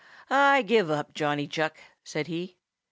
"I give up, Johnny Chuck," said he.